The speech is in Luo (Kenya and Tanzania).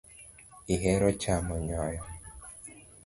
Ihero chamo nyoyo .